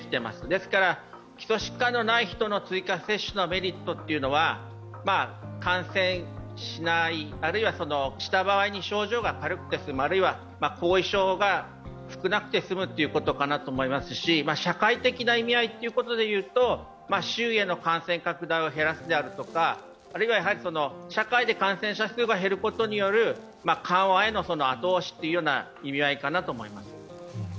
ですから基礎疾患のない人についての追加接種のメリットというのは感染しないあるいはした場合に症状が軽くて済む、あるいは後遺症が少なくて済むということになりますし、社会的な意味合いということでいうと、周囲への感染拡大を減らすであるとかあるいは社会で感染者数が減ることによる緩和への後押しという意味合いかなと思います。